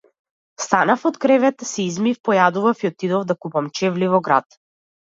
Станав од кревет, се измив, појадував и отидов да купувам чевли во град.